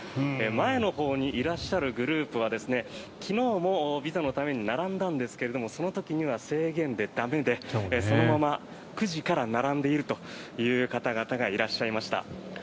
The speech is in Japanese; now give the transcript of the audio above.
前のほうにいらっしゃるグループは昨日もビザのために並んだんですがその時には制限で駄目でそのまま９時から並んでいるという方々がいらっしゃいました。